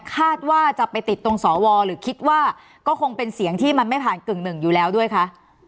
คาดว่าจะไปติดตรงสวหรือคิดว่าก็คงเป็นเสียงที่มันไม่ผ่านกึ่งหนึ่งอยู่แล้วด้วยคะ